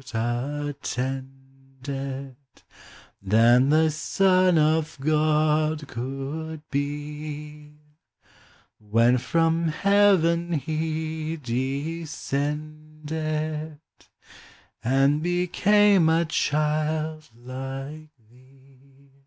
rt attended Than the Son of God could be, When from heaven he descended, And became a child like thee.